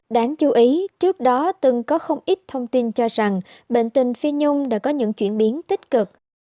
đáng chú ý trước đó từng có không ít thông tin cho rằng bệnh tình phi nhung đã có những chuyển biến tích cực